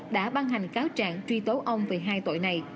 đã ban hành cáo trạng truy tố ông về hai tội này